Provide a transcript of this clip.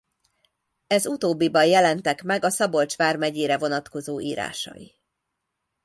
Ez utóbbiban jelentek meg a Szabolcs vármegyére vonatkozó írásai.